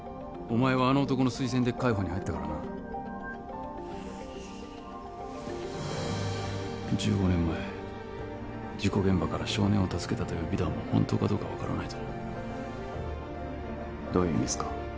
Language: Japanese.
お前はあの男の推薦で海保に入ったからな１５年前事故現場から少年を助けたという美談も本当かどうか分からないぞどういう意味ですか？